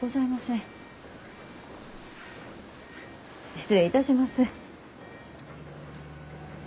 失礼いたします。